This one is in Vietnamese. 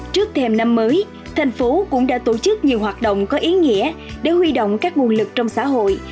trước thêm năm mới thành phố cũng đã tổ chức nhiều hoạt động có ý nghĩa để huy động các nguồn lực trong xã hội